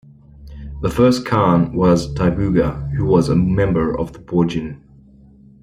The first Khan was Taibuga, who was a member of the Borjigin.